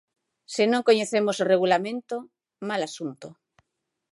Se non coñecemos o Regulamento, mal asunto.